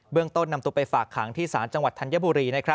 ต้นนำตัวไปฝากขังที่ศาลจังหวัดธัญบุรี